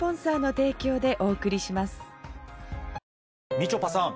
みちょぱさん